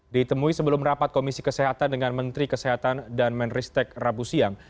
ditemui sebelum rapat komisi kesehatan dengan menteri kesehatan dan menristek rabu siang